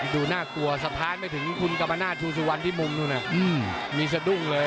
ดูน่ากลัวสะพานไม่ถึงคุณกัฟนาตชูซื้อวันที่มุมมีแสดงเลย